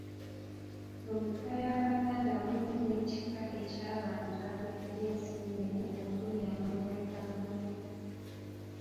Mu bika by'Abaganda mulimu n'ekika eky'abantu ab'eddira enseenene omuli amannya nga Mwebe.